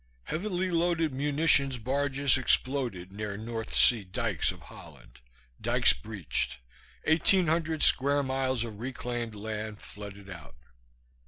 Heavily loaded munitions barges exploded near North Sea dikes of Holland; dikes breached, 1800 square miles of reclaimed land flooded out....